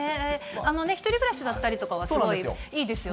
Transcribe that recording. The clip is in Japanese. １人暮らしだったりとかはすごいいいですよね。